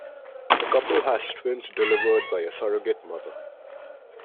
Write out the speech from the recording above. The couple has twins delivered by a surrogate mother.